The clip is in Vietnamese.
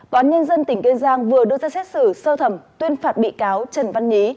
bán nhân dân tỉnh kên giang vừa đưa ra xét xử sơ thẩm tuyên phạt bị cáo trần văn nhí